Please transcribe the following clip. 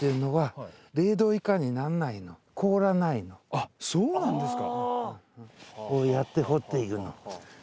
あっそうなんですか。